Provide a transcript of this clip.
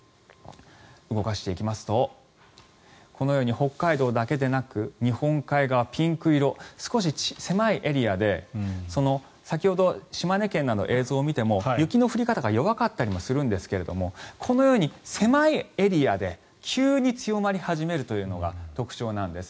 動かしていきますとこのように北海道だけでなく日本海側、ピンク色少し狭いエリアで先ほど島根県などの映像を見ても雪の降り方が弱かったりもするんですがこのように狭いエリアで急に強まり始めるというのが特徴なんです。